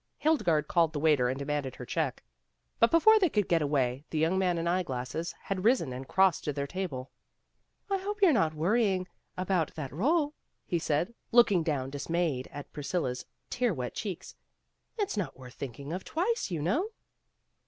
Hilde garde called the waiter and demanded her check. But before they could get away, the young man in eye glasses had risen and crossed to their table. "I hope you're not worrying about that roll," he said, looking down dismayed at Pris cilla 's tear wet cheeks. "It's not worth think ing of twice, you know."